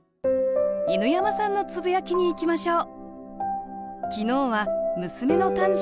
犬山さんのつぶやきにいきましょう